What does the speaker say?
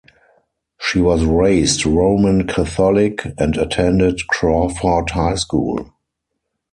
She was raised Roman Catholic and attended Crawford High School.